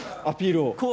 アピールを。